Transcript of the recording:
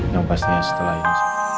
yang pastinya setelah ini